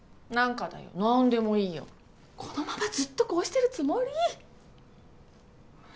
何かだよ何でもいいよこのままずっとこうしてるつもり？